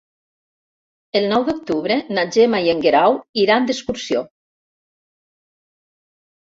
El nou d'octubre na Gemma i en Guerau iran d'excursió.